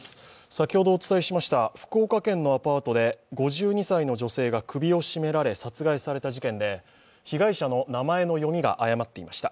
先ほどお伝えしました福岡県のアパートで５２歳の女性が首を絞められ殺害された事件で被害者の名前の読みが誤っていました。